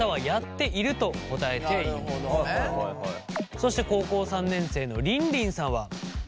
そして高校３年生のりんりんさんは。